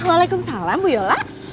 waalaikumsalam bu yola